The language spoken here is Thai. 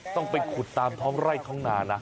ต้องไปขุดตามท้องไร่ท้องนานะ